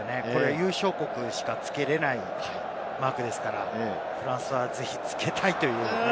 優勝国しかつけれないマークですから、フランスはぜひつけたいという。